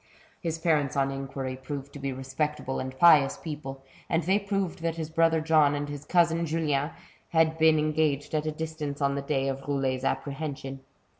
His parents, on inquiry, proved to be respectable and pious people, and they proved that his brother John and his cousin Julien had been engaged at a distance on the day of Roulet's apprehension.